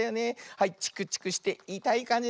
はいチクチクしていたいかんじね。